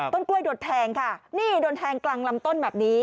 ต้นกล้วยโดนแทงค่ะนี่โดนแทงกลางลำต้นแบบนี้